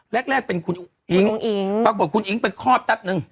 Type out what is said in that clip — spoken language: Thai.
แรกเป็นคุณอิ๊งบอกว่าคุณอิ๊งเป็นครอบแป๊บนึง